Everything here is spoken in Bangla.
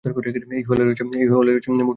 এই হলে রয়েছে মোট চারটি ভবন।